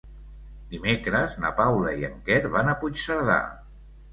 Dimecres na Paula i en Quer van a Puigcerdà.